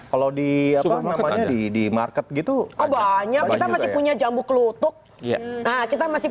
kalau di apa namanya di di market gitu banyak kita masih punya jambu kelutuk nah kita masih